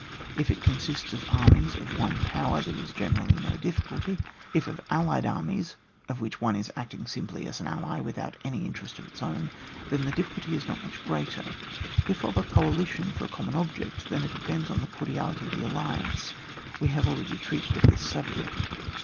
If it consists of armies of one Power, there is generally no difficulty f if of allied armies, of which one is acting simply as an ally without any interest of its own, then the difficulty is not much greater ; if of a coalition for a common object, then it depends on the cordiality of the alliance ; we have already treated of this subject.